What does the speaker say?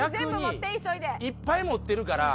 逆にいっぱい持ってるから。